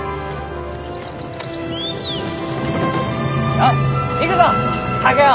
よし行くぞ竹雄！